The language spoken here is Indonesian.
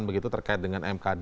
begitu terkait dengan mkd